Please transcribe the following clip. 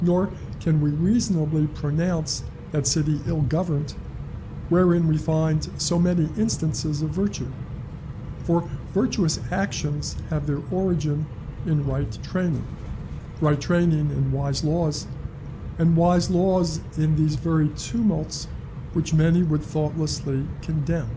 Nor can we reasonably pronounce that city ill governed wherein we find so many instances of virtue; for virtuous actions have their origin in right training, right training in wise laws, and wise laws in these very tumults which many would thoughtlessly condemn.